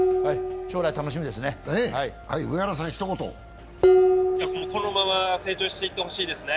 将来楽しみですね。